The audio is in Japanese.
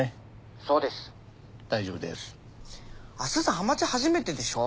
ハマチ初めてでしょ？